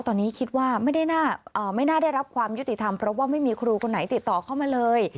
ตอนนี้คิดว่าไม่น่าได้รับความยุติธรรมเพราะว่าไม่มีครูคนไหนติดต่อเข้ามาเลย